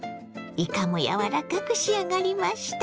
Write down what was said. いかも柔らかく仕上がりました。